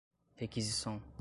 requisição